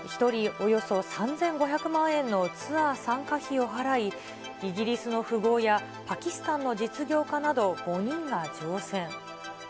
およそ３５００万円のツアー参加費を払い、イギリスの富豪やパキスタンの実業家など５人が乗船。